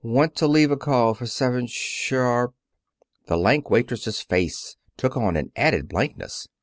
Want to leave a call for seven sharp " The lank waitress's face took on an added blankness.